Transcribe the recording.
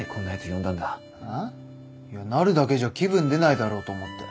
いやなるだけじゃ気分出ないだろうと思って。